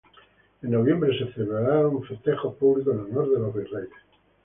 En noviembre se celebraron festejos públicos en honor de los virreyes.